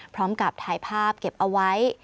พร้อมกับถ่ายภาพเก็บเอาไว้